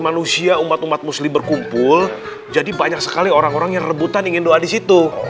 manusia umat umat muslim berkumpul jadi banyak sekali orang orang yang rebutan ingin doa di situ